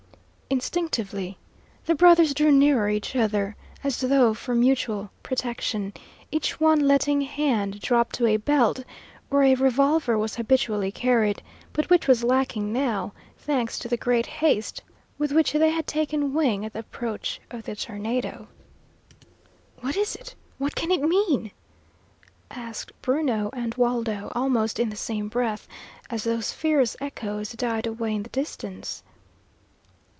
Instinctively the brothers drew nearer each other, as though for mutual protection, each one letting hand drop to belt where a revolver was habitually carried, but which was lacking now, thanks to the great haste with which they had taken wing at the approach of the tornado. "What is it? What can it mean?" asked Bruno and Waldo, almost in the same breath, as those fierce echoes died away in the distance.